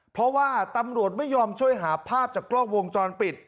เพราะว่าตำรวจไม่ยอมช่วยหาภาพจากกล้องวงจรปิด